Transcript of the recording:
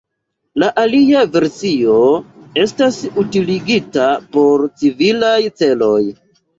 La alia versio estas utiligita por civilaj celoj.